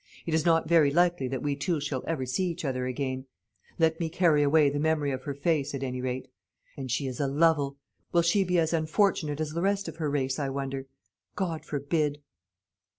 "It is not very likely that we two shall ever see each other again. Let me carry away the memory of her face, at any rate. And she is a Lovel! Will she be as unfortunate as the rest of her race, I wonder? God forbid!"